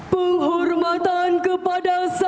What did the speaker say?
penghormatan kepada sangsaka